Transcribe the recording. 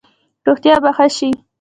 روغتیا به ښه شي؟